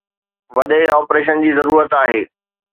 وڏي آپريشن جي ضرورت آهي